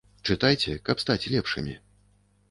Чытайце, каб стаць лепшымі.